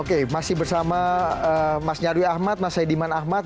oke masih bersama mas nyarwi ahmad mas saidiman ahmad